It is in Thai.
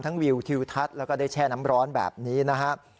วิวทิวทัศน์แล้วก็ได้แช่น้ำร้อนแบบนี้นะครับ